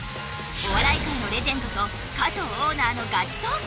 お笑い界のレジェンドと加藤オーナーのガチトーク！